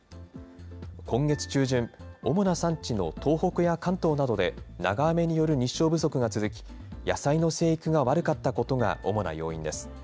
今月中旬、おもな産地の東北や関東などで、長雨による日照不足が続き、野菜の生育が悪かったことが主な要因です。